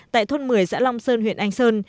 tại thôn một mươi xã long sơn huyện anh sơn